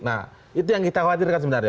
nah itu yang kita khawatirkan sebenarnya